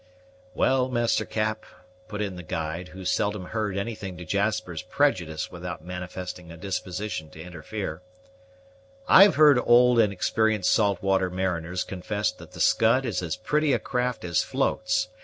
"Well, Master Cap," put in the guide, who seldom heard anything to Jasper's prejudice without manifesting a disposition to interfere, "I've heard old and experienced saltwater mariners confess that the Scud is as pretty a craft as floats.